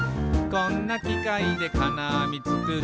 「こんなきかいでかなあみつくる」